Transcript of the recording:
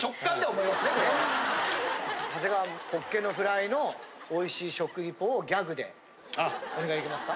長谷川ホッケのフライのおいしい食リポをギャグでお願いできますか？